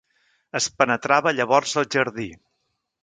Es penetrava llavors al jardí.